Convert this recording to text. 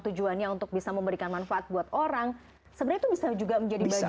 tujuannya untuk bisa memberikan manfaat buat orang s sembilan puluh lima juga menjadi bagian di nanjil aja itu bisa lebih